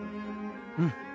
うん。